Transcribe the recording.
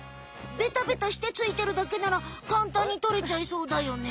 ベタベタしてついてるだけならかんたんにとれちゃいそうだよね。